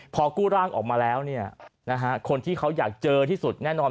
พอกู้ร่างออกมาแล้วเนี่ยนะฮะคนที่เขาอยากเจอที่สุดแน่นอน